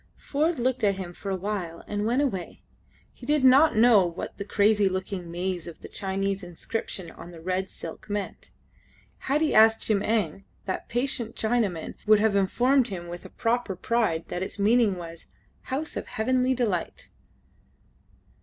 Ford looked at him for awhile and went away. He did not know what the crazy looking maze of the Chinese inscription on the red silk meant. Had he asked Jim Eng, that patient Chinaman would have informed him with proper pride that its meaning was: "House of heavenly delight."